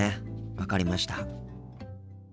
分かりました。